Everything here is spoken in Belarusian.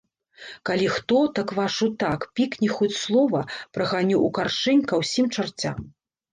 Калі хто, так вашу так, пікне хоць слова, праганю ў каршэнь ка ўсім чарцям.